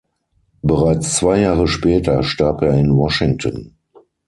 Bereits zwei Jahre später starb er in Washington.